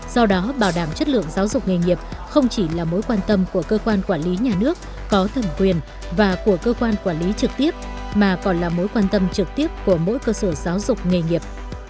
do đó bảo đảm chất lượng giáo dục nghề nghiệp không chỉ là mối quan tâm của cơ quan quản lý nhà nước có thẩm quyền và của cơ quan quản lý trực tiếp mà còn là mối quan tâm trực tiếp của mỗi cơ sở giáo dục nghề nghiệp